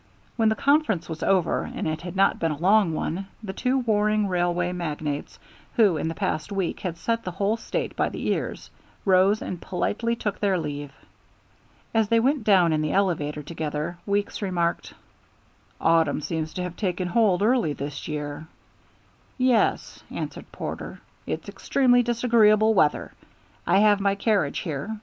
When the conference was over, and it had not been a long one, the two warring railway magnates, who in the past week had set the whole State by the ears, rose and politely took their leave. As they went down in the elevator together, Weeks remarked, "Autumn seems to have taken hold early this year." "Yes," answered Porter, "it's extremely disagreeable weather. I have my carriage here.